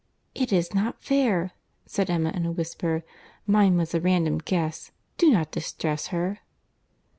"It is not fair," said Emma, in a whisper; "mine was a random guess. Do not distress her."